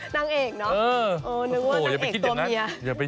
นางเอกเนอะนึกว่านางเอกตัวเมีย